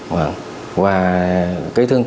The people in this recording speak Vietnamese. tăng gạo dần ra đối tượng chúng ta